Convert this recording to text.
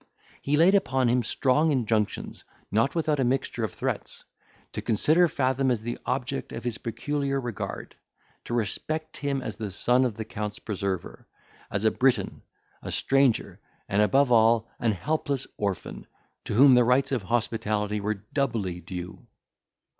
He laid upon him strong injunctions, not without a mixture of threats, to consider Fathom as the object of his peculiar regard; to respect him as the son of the Count's preserver, as a Briton, a stranger, and, above all, an helpless orphan, to whom the rights of hospitality were doubly due.